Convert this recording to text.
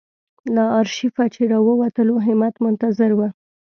له آرشیفه چې راووتلو همت منتظر و.